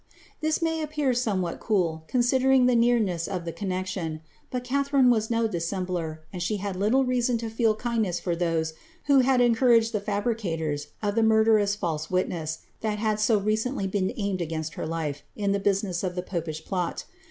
^' This may appear somewhat cool, considering the nearness of the connexion ; but Catharine was no dissembler, and she had little reason to feel kindness for those, who had encouraged the fabricators of the murderous false witness, that had so recently been aimed against her life, in the business of the popish plot.